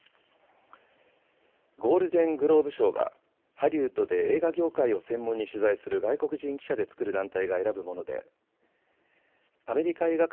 ゴールデングローブ賞はハリウッドで映画業界を専門に取材する外国人記者で作る団体が選ぶものでアメリカ映画界